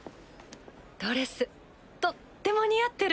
ドレスとっても似合ってる。